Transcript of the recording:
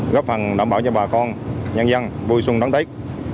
góp phần đảm bảo cho bà con nhân dân vui xuân đón tết